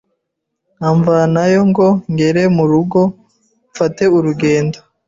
imvanayo ngo ngere mu rugo mfata urugendo